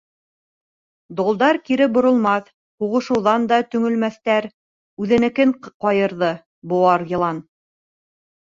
— Долдар кире боролмаҫ, һуғышыуҙан да төңөлмәҫтәр, — үҙенекен ҡайырҙы быуар йылан.